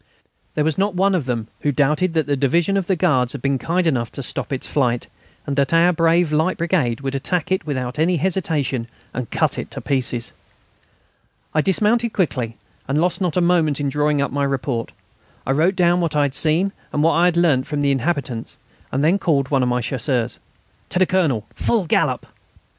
There was not one of them who doubted that the Division of the Guards had been kind enough to stop its flight, and that our brave light brigade would attack it without any hesitation and cut it to pieces. I dismounted quickly, and lost not a moment in drawing up my report. I wrote down what I had seen and what I had learnt from the inhabitants and then called one of my Chasseurs: "To the Colonel, full gallop!"